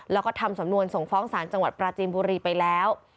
แล้วก็ทำสำนวนส่งฟ้องศาลจังหวัดปราจีนบุรีไปแล้ว